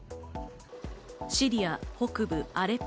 シリア北部アレッポ。